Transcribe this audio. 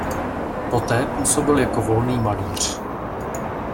Poté působil jako volný malíř.